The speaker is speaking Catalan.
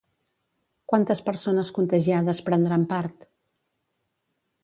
Quantes persones contagiades prendran part?